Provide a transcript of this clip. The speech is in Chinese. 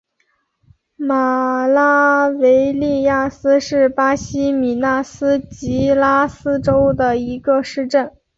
马拉维利亚斯是巴西米纳斯吉拉斯州的一个市镇。